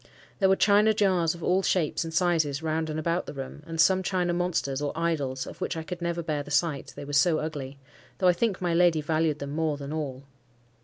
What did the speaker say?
There were china jars of all shapes and sizes round and about the room, and some china monsters, or idols, of which I could never bear the sight, they were so ugly, though I think my lady valued them more than all.